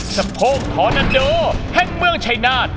สะโพกทอนาโดแห่งเมืองชายนาฏ